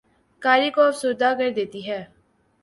قاری کو افسردہ کر دیتی ہے